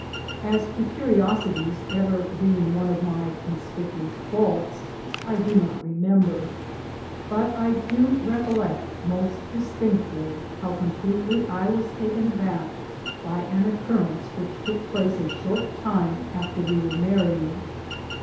As to curiosity ever being one of my conspicuous faults, I do not remember, but I do recollect most distinctly how completely I was taken aback by an occurrence which took place a short time after we were married.